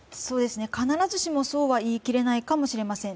必ずしもそうは言い切れないかもしれません。